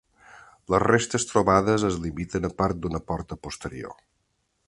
Les restes trobades es limiten a part d'una pota posterior.